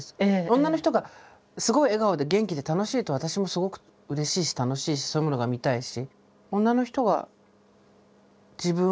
女の人がすごい笑顔で元気で楽しいと私もすごくうれしいし楽しいしそういうものが見たいし。